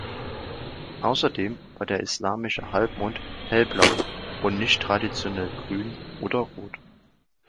Außerdem war der islamische Halbmond hellblau und nicht traditionell grün oder rot.